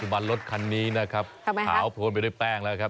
ทุกวันรถคันนี้นะครับทำไมครับขาวโผล่ไปด้วยแป้งแล้วครับ